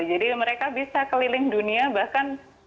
jadi mereka bisa keliling dunia bahkan